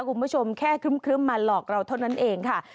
คุณผู้ชมแค่ครึ่มมาหลอกเราเท่านั้นเองค่ะ